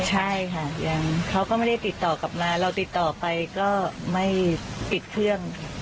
ใช่ค่ะยังเขาก็ไม่ได้ติดต่อกลับมาเราติดต่อไปก็ไม่ปิดเครื่อง